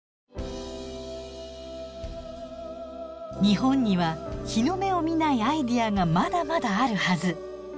日本には日の目を見ないアイデアがまだまだあるはず。